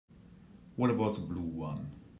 What about the blue one?